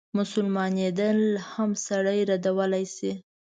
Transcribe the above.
مسلمانېدل هم سړی ردولای شي.